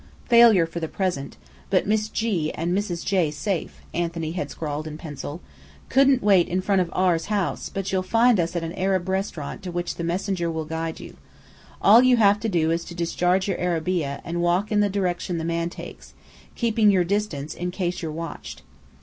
"Failure for the present, but Miss G. and Mrs. J. safe," Anthony had scrawled in pencil. "Couldn't wait in front of R.'s house, but you'll find us at an Arab restaurant to which the messenger will guide you. All you have to do is to discharge your arabeah, and walk in the direction the man takes, keeping your distance in case you're watched."